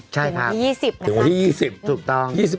ถึงที่๒๐นะครับถึงวันที่๒๐นะครับ